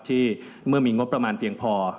เมื่อมีงบประมาณเพียงพอ